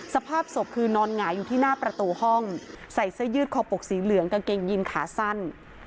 สภาพศพคือนอนหงายอยู่ที่หน้าประตูห้องใส่เสื้อยืดคอปกสีเหลืองกางเกงยินขาสั้น